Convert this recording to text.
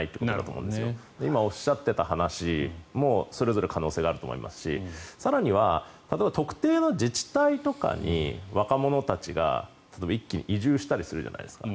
それぞれおっしゃっていたことも可能性があると思いますしあとは例えば特定の自治体とかに若者たちが一気に移住したりするじゃないですか。